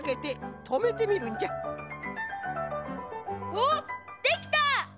おっできた！